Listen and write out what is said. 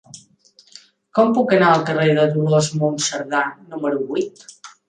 Com puc anar al carrer de Dolors Monserdà número vuit?